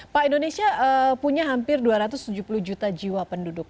pak indonesia punya hampir dua ratus tujuh puluh juta jiwa penduduk